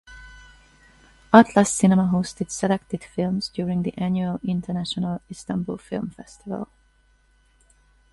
Atlas Cinema hosted selected films during the annual International Istanbul Film Festival.